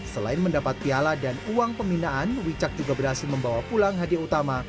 selain mendapat piala dan uang pembinaan wicak juga berhasil membawa pulang hadiah utama